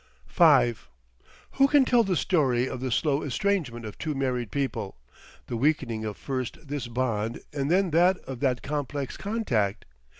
V Who can tell the story of the slow estrangement of two married people, the weakening of first this bond and then that of that complex contact?